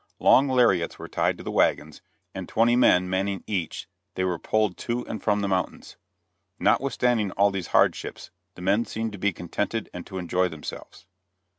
Long lariats were tied to the wagons, and twenty men manning each, they were pulled to and from the mountains. Notwithstanding all these hardships, the men seemed to be contented and to enjoy themselves.